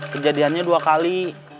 kejadiannya dua kali